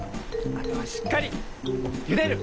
あとはしっかりゆでる！